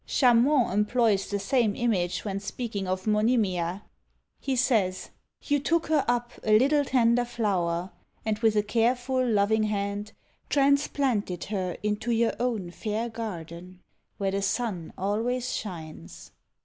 Chamont employs the same image when speaking of Monimia; he says You took her up a little tender flower, and with a careful loving hand Transplanted her into your own fair garden, Where the sun always shines.